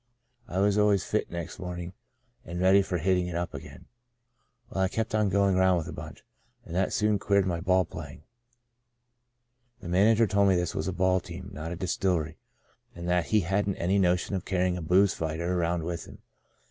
I was always fit next morning and ready for hitting it up again. Well, I kept on going round with the bunch, and that soon queered my ball 132 " Out of Nazareth '' playing. The manager told me this was a ball team, not a distillery, and that he hadn't any notion of carrying a booze fighter around with him.